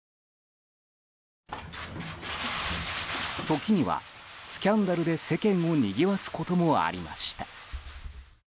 時には、スキャンダルで世間をにぎわすこともありました。